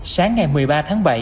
sáng ngày một mươi ba tháng bảy